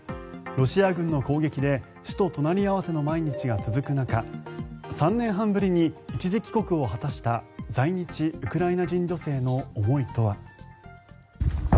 ロシア軍の攻撃で死と隣り合わせの毎日が続く中３年半ぶりに一時帰国を果たした在日ウクライナ人女性の思いとは。